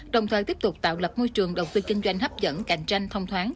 đồng thời tiếp tục tạo lập môi trường đầu tư kinh doanh hấp dẫn cạnh tranh thông thoáng